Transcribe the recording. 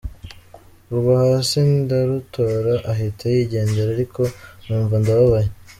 rugwa hasi ndarutora ahita yigendera ariko numva ndababaye.